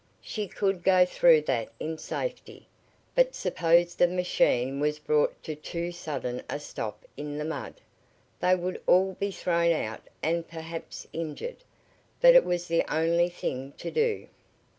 She could go through that in safety. But suppose the machine was brought to too sudden a stop in the mud? They would all be thrown out and perhaps injured. But it was the only thing to do.